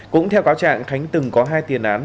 cũng theo cáo trạng khánh từng có hai tiền án